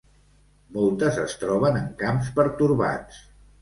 Moltes es troben en camps pertorbats.